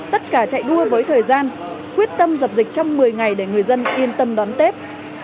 tất cả chạy đua với thời gian quyết tâm dập dịch trong một mươi ngày để người dân yên tâm đón tết